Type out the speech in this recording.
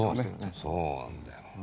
そうそうなんだよ。